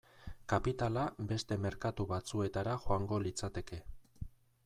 Kapitala beste merkatu batzuetara joango litzateke.